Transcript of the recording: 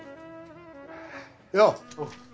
よう！